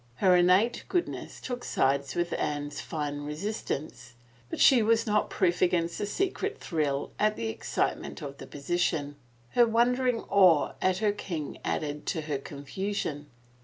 Her innate goodness took sides with Anne's fine resistance, but she was not proof against a secret thrill at the excitement of the posi tion ; her wondering awe of her king added to her con fusion.